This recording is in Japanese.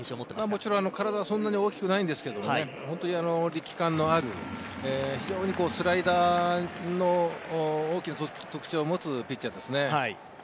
もちろん体はそんなに大きくないんですけれども、力感のあるスライダーの大きな特徴を持つピッチャーですね。